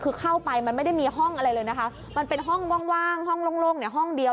คือเข้าไปมันไม่ได้มีห้องอะไรเลยนะคะมันเป็นห้องว่างห้องโล่งเนี่ยห้องเดียว